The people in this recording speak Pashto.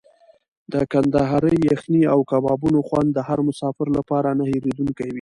د کندهاري یخني او کبابونو خوند د هر مسافر لپاره نه هېرېدونکی وي.